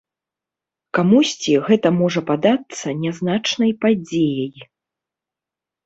Камусьці гэта можа падацца нязначнай падзеяй.